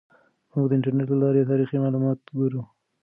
موږ د انټرنیټ له لارې تاریخي معلومات ګورو.